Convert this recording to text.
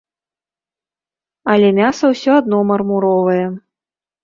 Але мяса ўсё адно мармуровае.